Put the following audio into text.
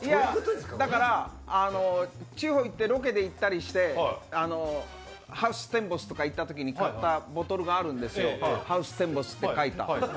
地方へロケで行ったり、ハウステンボスとかで買ったボトルがあるんですよ、「ハウステンボス」って書いた。